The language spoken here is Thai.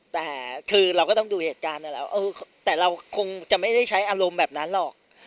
แต่คือเราก็ต้องดูเหตุการณ์นั่นแหละแต่เราคงจะไม่ได้ใช้อารมณ์แบบนั้นหรอก